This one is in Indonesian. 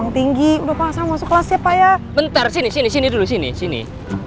yang tinggi udah pak saya masuk kelas ya pak ya bentar sini sini sini dulu sini sini